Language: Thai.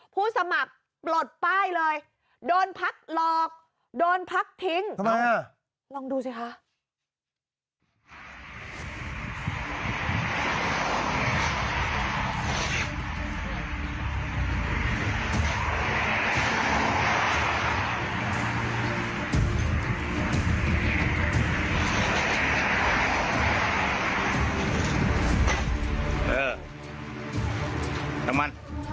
ผู้สมัครปลดป้ายเลยโดนพักหลอกโดนพักทิ้งทำไมลองดูสิคะ